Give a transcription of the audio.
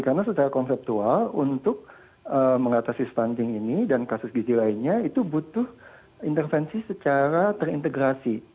karena secara konseptual untuk mengatasi stunting ini dan kasus gizi lainnya itu butuh intervensi secara terintegrasi